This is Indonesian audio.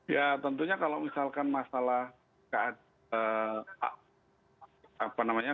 ya tentunya kalau misalkan masalah apa namanya